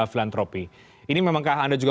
filantropi ini memangkah anda juga